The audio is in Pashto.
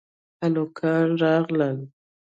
هلکان راغل